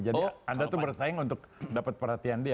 jadi anda tuh bersaing untuk dapat perhatian dia